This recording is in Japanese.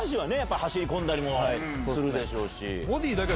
走り込んだりもするでしょうし。